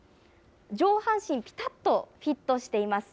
上半身、ぴたっとフィットしています。